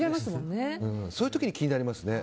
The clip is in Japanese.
そういう時に気になりますね。